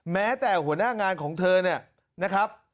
แม้แต่หัวหน้างานของเธอเนี่ยนะครับ